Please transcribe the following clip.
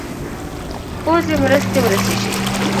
پوځي مرستي ورسیږي.